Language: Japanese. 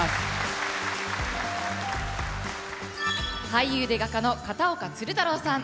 俳優で画家の片岡鶴太郎さん。